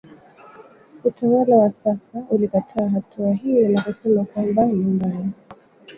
Utawala wa sasa ulikataa hatua hii na kusema kwamba ni mbaya